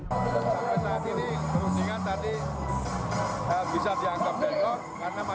sampai saat ini kerundingan tadi bisa dianggap dengkok